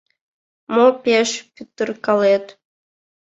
— Мо пеш пӱтыркалет?